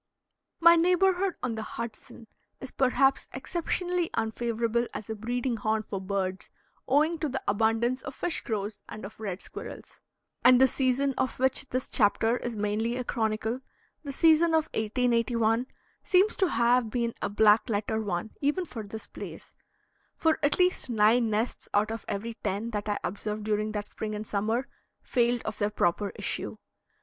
My neighborhood on the Hudson is perhaps exceptionally unfavorable as a breeding haunt for birds, owing to the abundance of fish crows and of red squirrels; and the season of which this chapter is mainly a chronicle, the season of 1881, seems to have been a black letter one even for this place, for at least nine nests out of every ten that I observed during that spring and summer failed of their proper issue.